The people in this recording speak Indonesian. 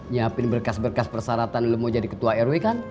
nyiapin berkas berkas persyaratan dulu mau jadi ketua rw kan